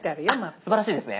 すばらしいですね。